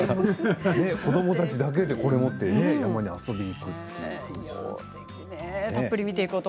子どもたちだけでこれを持って山に遊びに行くと。